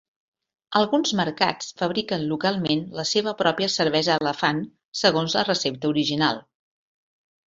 Alguns mercats fabriquen localment la seva pròpia Cervesa Elefant segons la recepta original.